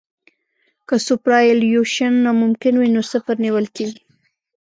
که سوپرایلیویشن ناممکن وي نو صفر نیول کیږي